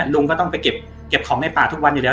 ลุงก็ต้องไปเก็บของในป่าทุกวันอยู่แล้ว